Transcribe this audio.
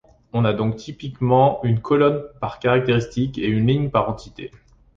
On a donc typiquement une colonne par caractéristique, et une ligne par entité.